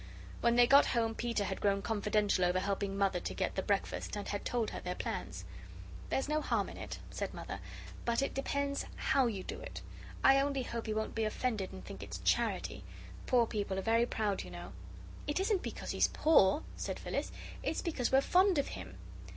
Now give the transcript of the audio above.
When they got home Peter had grown confidential over helping Mother to get the breakfast and had told her their plans. "There's no harm in it," said Mother, "but it depends HOW you do it. I only hope he won't be offended and think it's CHARITY. Poor people are very proud, you know." "It isn't because he's poor," said Phyllis; "it's because we're fond of him."